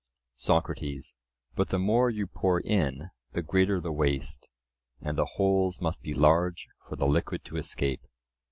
SOCRATES: But the more you pour in, the greater the waste; and the holes must be large for the liquid to escape.